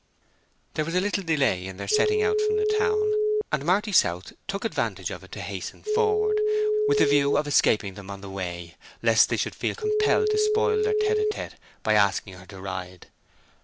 There was a little delay in their setting out from the town, and Marty South took advantage of it to hasten forward, with the view of escaping them on the way, lest they should feel compelled to spoil their tête à tête by asking her to ride.